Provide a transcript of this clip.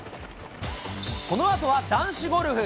このあとは男子ゴルフ。